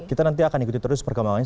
kita nanti akan ikuti terus perkembangannya